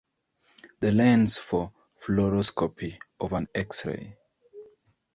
The lens for fluoroscopy of an X-ray.